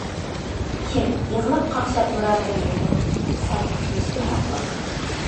كىم يىغلاپ-قاقشاپ مۇرادىغا يەتكەن؟ سەن كۈلۈشكە ھەقلىق.